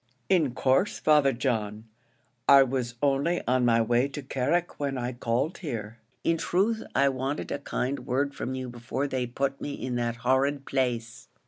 "In course, Father John; I was only on my way to Carrick when I called here. In truth, I wanted a kind word from you before they put me in that horrid place."